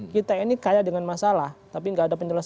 dan yang terakhir